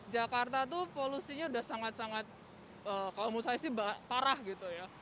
jakarta itu polusinya udah sangat sangat kalau menurut saya sih parah gitu ya